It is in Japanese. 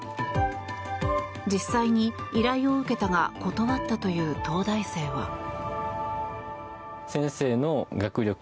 実際に依頼を受けたが断ったという東大生は。